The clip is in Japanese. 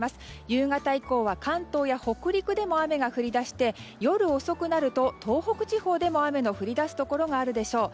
夕方以降は関東や北陸でも雨が降り出して夜遅くなると東北地方でも雨の降りだすところがあるでしょう。